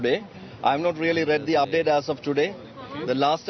saya tidak pernah membaca update sejak hari ini